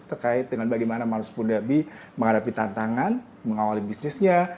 terkait dengan bagaimana maruspun dabi menghadapi tantangan mengawali bisnisnya